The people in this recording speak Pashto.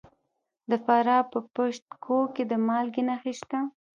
د فراه په پشت کوه کې د مالګې نښې شته.